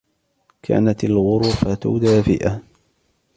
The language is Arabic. كانت الغرفة دافئة.